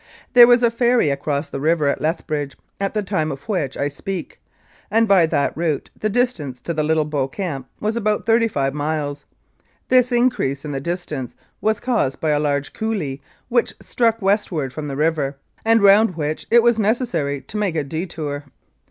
There was a ferry across the river at Lethbridge at the time of which I speak, and by that route the distance to the Little Bow Camp was about thirty five miles. This increase in the distance was caused by a large coulee which struck westward from the river, and round which it was necessary to make a detour.